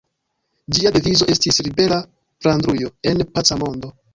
Ĝia devizo estis "Libera Flandrujo en paca mondo".